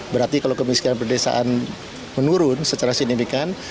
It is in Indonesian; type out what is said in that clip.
berarti kalau kemiskinan pedesaan menurun secara signifikan